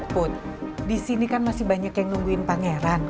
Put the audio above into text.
put disini kan masih banyak yang nungguin pangeran